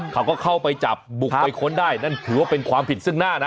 เขาก็เข้าไปจับบุกไปค้นได้นั่นถือว่าเป็นความผิดซึ่งหน้านะ